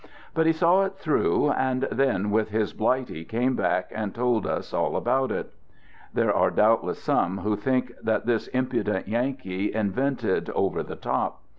But he saw it through, and then with his blighty came back and told us all about it. There are doubtless some who think that this " impudent Yankee " invented " Over the Top."